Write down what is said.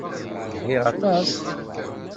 Zhiɣ aṭas.